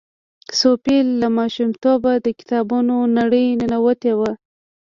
صوفي له ماشومتوبه د کتابونو نړۍ ننوتې وه.